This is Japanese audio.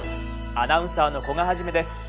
アナウンサーの古賀一です。